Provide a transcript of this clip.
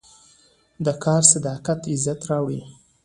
د کار صداقت عزت راوړي.